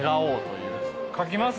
書きます？